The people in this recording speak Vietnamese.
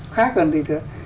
khác hơn gì nữa